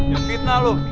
yang fitnah lo